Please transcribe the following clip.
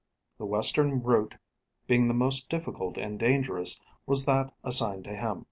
The western route, being the most difficult and dangerous, was that assigned to him.